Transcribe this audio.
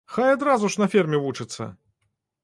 Хай адразу ж на ферме вучыцца!